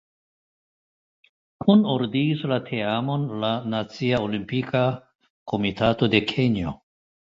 Kunordigis la teamon la "Nacia Olimpika Komitato de Kenjo".